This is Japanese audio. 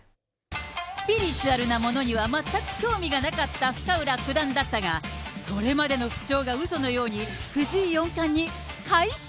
スピリチュアルなものには全く興味がなかった深浦九段だったが、それまでの不調がうそのように、藤井四冠に快勝。